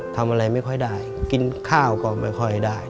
ทำอะไรไม่ค่อยได้กินข้าวก็ไม่ค่อยได้